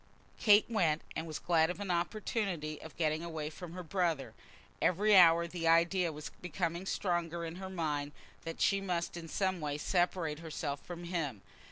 Kate went, and was glad of an opportunity of getting away from her brother. Every hour the idea was becoming stronger in her mind that she must in some way separate herself from him.